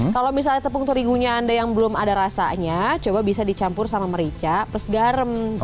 kalau misalnya tepung terigunya anda yang belum ada rasanya coba bisa dicampur sama merica plus garam